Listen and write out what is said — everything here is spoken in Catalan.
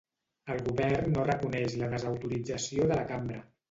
El Govern no reconeix la desautorització de la cambra.